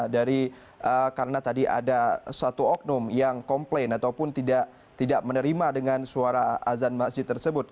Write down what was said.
dari karena tadi ada satu oknum yang komplain ataupun tidak menerima dengan suara azan masjid tersebut